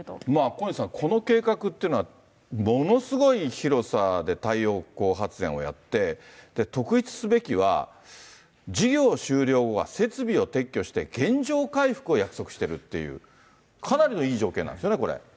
小西さん、この計画っていうのは、ものすごい広さで太陽光発電をやって、特筆すべきは、事業終了後は設備を撤去して原状回復を約束してるっていう、かなりのいい条件なんですよね、これ。